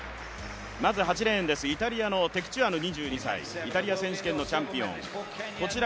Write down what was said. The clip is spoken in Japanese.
８レーン、イタリアのテクチュアヌ、イタリア選手権のチャンピオン。